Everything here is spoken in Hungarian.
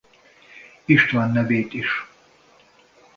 István nevét is.